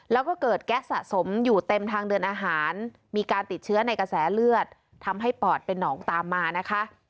แล้วก็เกิดแก๊สสะสมอยู่เต็มทางเดินอาหารมีการติดเชื้อในกระแสเลือดทำให้ปอดเป็นหนองตามมานะคะ